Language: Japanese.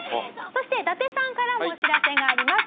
そして伊達さんからもお知らせがあります。